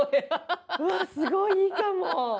すごいいいかも！